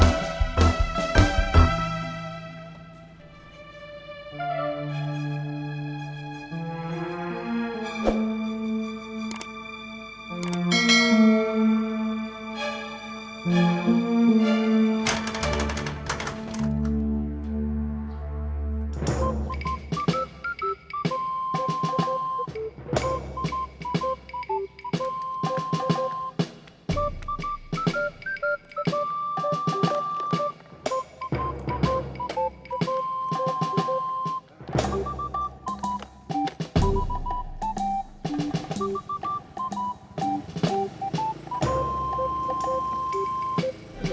assalamualaikum warahmatullahi wabarakatuh